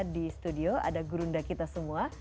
di studio ada gurunda kita semua